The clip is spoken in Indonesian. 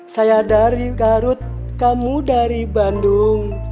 saya dari garut kamu dari bandung